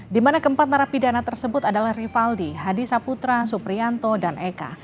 di mana keempat narapidana tersebut adalah rivaldi hadi saputra suprianto dan eka